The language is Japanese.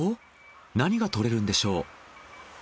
何が獲れるんでしょう。